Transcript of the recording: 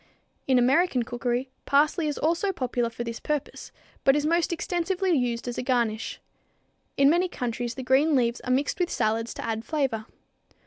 In American cookery parsley is also popular for this purpose, but is most extensively used as a garnish. In many countries the green leaves are mixed with salads to add flavor.